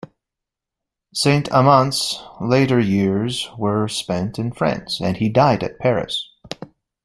Saint-Amant's later years were spent in France; and he died at Paris.